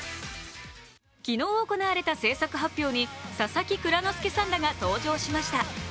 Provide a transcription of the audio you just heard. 昨日行われた制作発表に佐々木蔵之介さんらが登場しました。